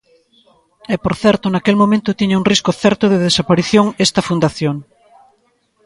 E, por certo, naquel momento tiña un risco certo de desaparición esta fundación.